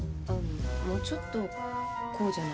もうちょっとこうじゃないですか？